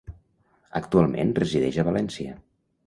Actualment resideix a València.